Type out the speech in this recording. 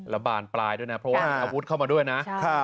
บานปลายด้วยนะเพราะว่ามีอาวุธเข้ามาด้วยนะ